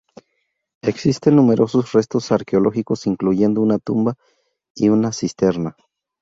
Existen numerosos restos arqueológicos, incluyendo una tumba y una cisterna.